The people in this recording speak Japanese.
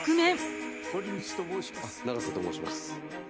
あっ永瀬と申します。